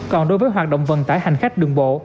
còn đối với hoạt động vận tải hành khách đường bộ